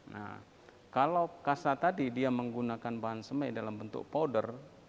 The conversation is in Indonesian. nah kalau kasa tadi dia menggunakan bahan semai dalam bentuk powder